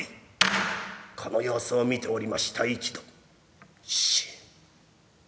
この様子を見ておりました一同しん。